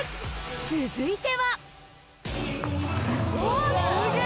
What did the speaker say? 続いては。